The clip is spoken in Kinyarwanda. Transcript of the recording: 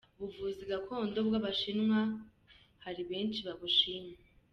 Ubuvuzi Gakondo bw’Abashinwa hari benshi babushima